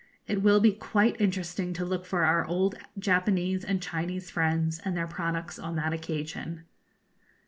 It will be quite interesting to look for our old Japanese and Chinese friends and their products on that occasion.